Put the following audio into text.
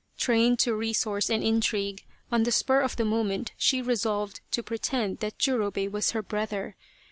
Trained to resource and intrigue, on the spur of the moment she resolved to pretend that Jurobei was her brother.